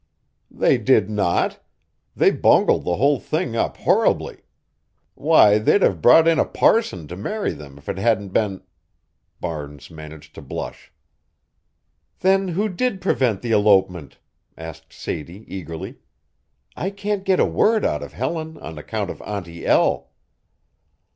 "They did not. They bungled the whole thing up horribly. Why they'd have brought in a parson to marry them if it hadn't been" Barnes managed to blush. "Then who did prevent the elopement?" asked Sadie, eagerly. "I can't get a word out of Helen on account of Auntie El."